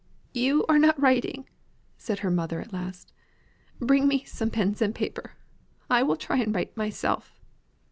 "You are not writing!" said her mother at last. "Bring me some pens and paper; I will try and write myself."